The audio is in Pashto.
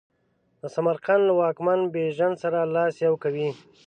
د سمرقند له واکمن بیژن سره لاس یو کوي.